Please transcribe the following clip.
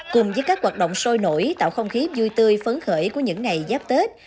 cùng với các hoạt động sôi nổi tạo không khí vui tươi phấn khởi của những ngày giáp tết